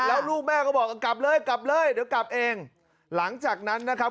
แล้วลูกแม่ก็บอกกลับเลยกลับเลยเดี๋ยวกลับเองหลังจากนั้นนะครับ